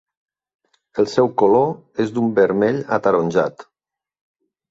El seu color és d'un vermell ataronjat.